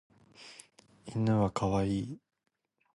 犬はかわいい